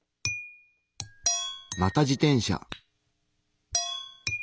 また自転車。